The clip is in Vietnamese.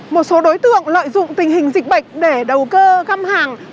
một số đối tượng lợi dụng tình hình dịch bệnh để đầu cơ găm hàng